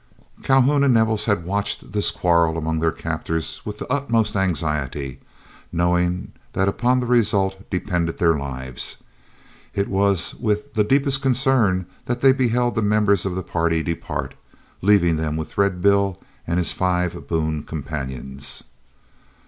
Calhoun and Nevels had watched this quarrel among their captors with the utmost anxiety, knowing that upon the result depended their lives. It was with the deepest concern that they beheld the members of the party depart, leaving them with Red Bill and his five boon companions.